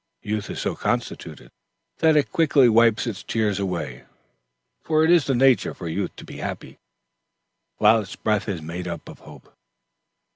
Youth is so constituted, that it quickly wipes its tears away, for it is natural for youth to be happy, while its breath is made up of hope.